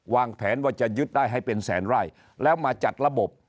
วางแผนว่าจะยึดได้ให้เป็นแสนไร่แล้วมาจัดระบบ